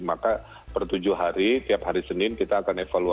maka per tujuh hari tiap hari senin kita akan evaluasi